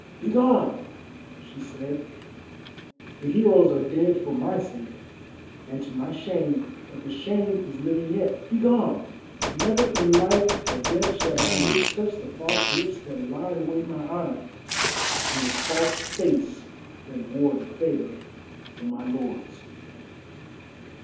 "Begone!" she said, "the heroes are dead for my sake, and to my shame, but the shame is living yet. Begone! Never in life or death shall my lips touch the false lips that lied away my honour, and the false face that wore the favour of my lord's."